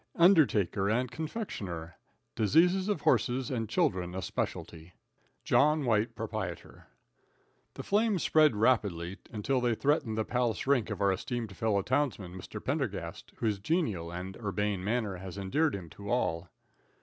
Undertaker and Confectioner. Diseases of Horses and Children a Specialty. Jno. White, Ptr. The flames spread rapidly, until they threatened the Palace rink of our esteemed fellow townsman, Mr. Pendergast, whose genial and urbane manner has endeared him to all.